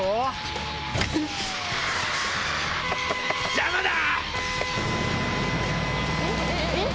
邪魔だ！